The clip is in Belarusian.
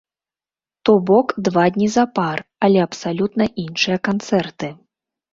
То бок два дні запар, але абсалютна іншыя канцэрты.